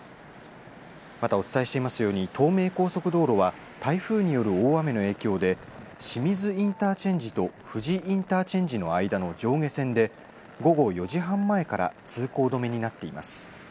またお伝えしますように東名高速道路は台風による大雨の影響で清水インターチェンジと富士インターチェンジの間の上下線で午後４時半前から通行止めになっています。